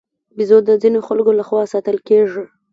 بیزو د ځینو خلکو له خوا ساتل کېږي.